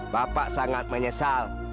bapak sangat menyesal